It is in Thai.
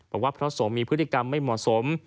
บอกว่าเพราะสมมีพฤติกรรมไม่เหมาะสม